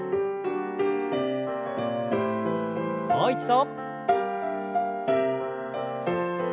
もう一度。